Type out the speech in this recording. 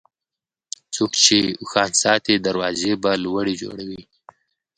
څوک چې اوښان ساتي، دروازې به لوړې جوړوي.